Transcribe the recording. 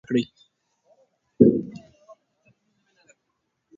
د ستونزو حل لارې پیدا کړئ.